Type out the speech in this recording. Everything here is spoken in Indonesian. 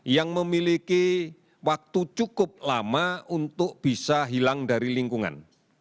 yang memiliki waktu cukup lama untuk bisa hilang dari lingkungan